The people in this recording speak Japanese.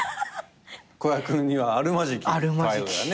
子役にはあるまじき態度だよね。